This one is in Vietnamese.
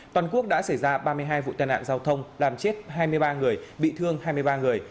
toàn quốc đã xảy ra ba mươi hai vụ tai nạn giao thông làm chết hai mươi ba người bị thương hai mươi ba người